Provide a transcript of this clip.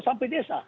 sampai di desa